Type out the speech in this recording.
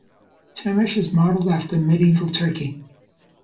Turmish is modeled after medieval Turkey.